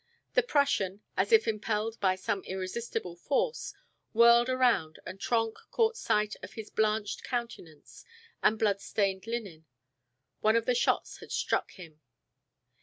The Prussian, as if impelled by some irresistible force, whirled around and Trenck caught sight of his blanched countenance and blood stained linen. One of the shots had struck him!